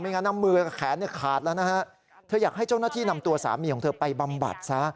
งั้นน้ำมือกับแขนเนี่ยขาดแล้วนะฮะเธออยากให้เจ้าหน้าที่นำตัวสามีของเธอไปบำบัดซะ